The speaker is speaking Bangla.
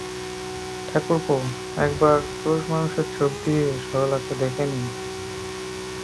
ঠাকুরপো, একবার পুরুষমানুষের চোখ দিয়ে সরলাকে দেখে নিই।